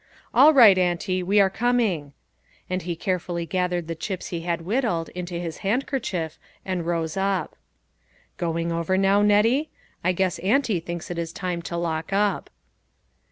"All right, auntie, we are com ing." And he carefully gathered the chips he had whittled, into his handkerchief, and rose up. " Going over now, Nettie ? I guess auntie thinks it is time to lock up."